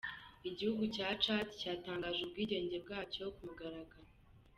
Igihugu cya Chad cyatangaje ubwigenge bwacyo ku mugaragaro.